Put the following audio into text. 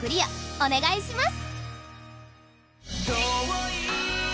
お願いします。